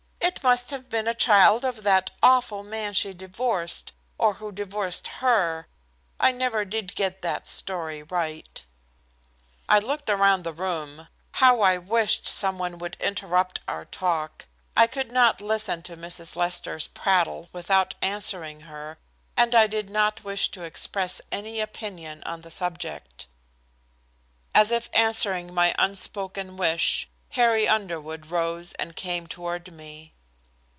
"It must have been a child of that awful man she divorced, or who divorced her. I never did get that story right." I looked around the room. How I wished some one would interrupt our talk. I could not listen to Mrs. Lester's prattle without answering her, and I did not wish to express any opinion on the subject. As if answering my unspoken wish, Harry Underwood rose and came toward me.